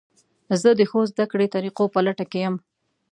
زه د ښو زده کړې طریقو په لټه کې یم.